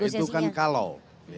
itu kan kalau